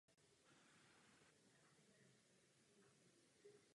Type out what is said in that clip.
Hodnost byla udělena pouze během druhé světové války celkem čtyřem důstojníkům.